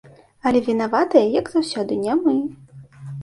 Але вінаватыя, як заўсёды, не мы.